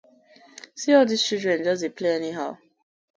See all dis children just dey play anyhow.